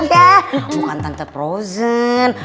bukan tante filozin